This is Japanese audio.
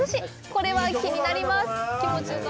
これは気になります！